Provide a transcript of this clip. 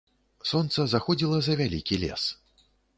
Сонца заходзіла за вялікі лес.